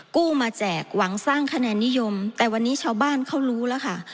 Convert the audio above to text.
กู้มาแจกหวังสร้างคะแนนนิยมแต่วันนี้ชาวบ้านเขารู้แล้วค่ะ